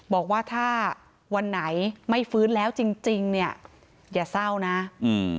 บอกว่าถ้าวันไหนไม่ฟื้นแล้วจริงจริงเนี้ยอย่าเศร้านะอืม